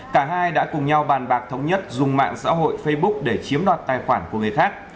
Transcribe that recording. cả hai đã cùng nhau bàn bạc thống nhất dùng mạng xã hội facebook để chiếm đoạt tài khoản của người khác